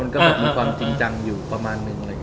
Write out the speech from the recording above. ก็แบบมีความจริงจังอยู่ประมาณนึง